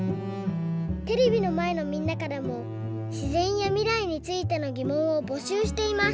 テレビのまえのみんなからもしぜんやみらいについてのぎもんをぼしゅうしています。